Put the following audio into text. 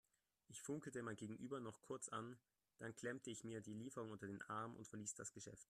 Ich funkelte mein Gegenüber noch kurz an, dann klemmte ich mir die Lieferung unter den Arm und verließ das Geschäft.